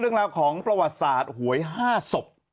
เรื่องราวของประวัติศาสตร์หวย๕ศพ